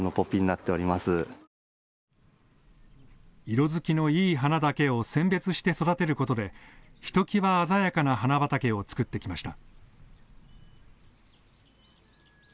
色づきのいい花だけを選別して育てることでひときわ鮮やかな花畑を作ってきました。